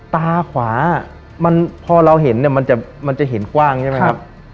ตาขวาพอเราเห็นเนี่ยมันจะเห็นกว้างใช่ไหมครับ